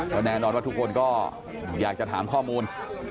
ก็แน่นอนว่าทุกคนก็อยากจะถามข้อมูล